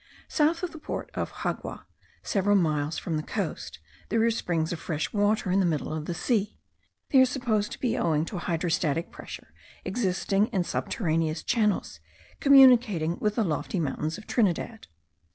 South of the port of Xagua, several miles from the coast, there are springs of fresh water in the middle of the sea. They are supposed to be owing to a hydrostatic pressure existing in subterraneous channels, communicating with the lofty mountains of Trinidad.